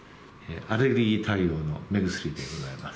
アレルギー対応の目薬でございます。